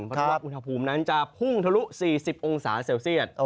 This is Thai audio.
เพราะว่าอุณหภูมินั้นจะพุ่งทะลุ๔๐องศาเซลเซียต